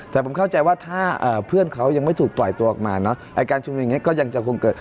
แต่ผมเข้าใจว่าถ้าเพื่อนเขายังไม่ถูกปล่อยตัวออกมาเนอะไอ้การชุมนุมอย่างนี้ก็ยังจะคงเกิด